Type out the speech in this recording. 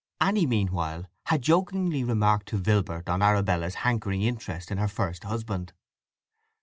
Anny meanwhile had jokingly remarked to Vilbert on Arabella's hankering interest in her first husband.